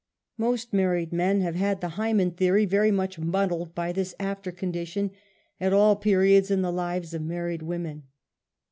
Most PURE MANHOOD. 19 X / married men have had the hymen theory very much muddled by this after condition, at all periods in the \lives of married women.